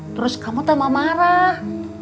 terus kamu tambah marah